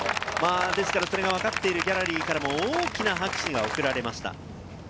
ですから、それがわかってるギャラリーからも大きな拍手が送られました。